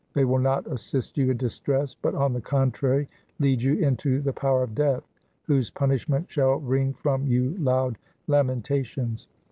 They will not assist you in distress, but, on the contrary lead you into the power of Death, whose punishment shall wring from you loud lamen tations.